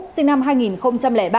sinh năm hai nghìn ba